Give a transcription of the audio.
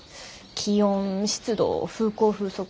気温湿度風向風速。